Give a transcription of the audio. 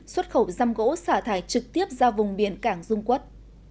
xuất khẩu răm gỗ xả thải trực tiếp ra vùng biển cảng dung quốc